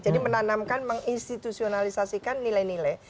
jadi menanamkan menginstitusionalisasikan nilai nilai